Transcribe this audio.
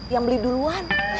yang beli duluan